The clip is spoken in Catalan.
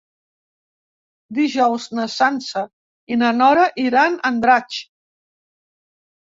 Dijous na Sança i na Nora iran a Andratx.